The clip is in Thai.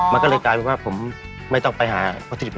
มันก็เลยกลายเป็นว่าผมไม่ต้องไปหาป้าทิพย